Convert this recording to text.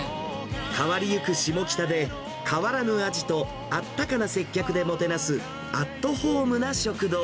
変わりゆく下北で、変わらぬ味と、あったかな接客でもてなすアットホームな食堂。